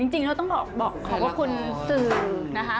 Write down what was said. จริงเราต้องบอกขอบพระคุณสื่อนะคะ